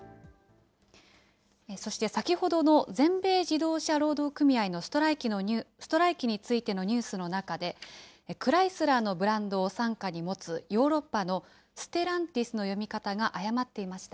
そして先ほどの全米自動車労働組合のストライキについてのニュースの中で、クライスラーのブランドを傘下に持つヨーロッパのステランティスの読み方が誤っていました。